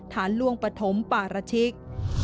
ฐานล่วงปฐมปารชิก